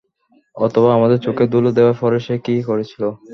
অথবা, আমাদের চোখে ধূলো দেবার পর সে কী করেছিল।